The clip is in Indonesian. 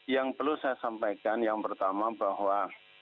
yang perlu saya sampaikan yang pertama bahwa